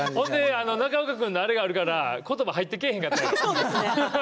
中岡君のあれがあるから言葉が入ってけえへん。